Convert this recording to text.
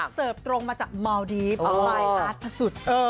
เสิร์ฟตรงมาจากเมาดีปปลายพลาดพระสุทธิ์